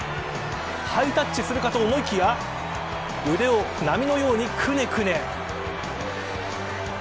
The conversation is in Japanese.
ハイタッチするかと思いきや腕を波のようにくねくね。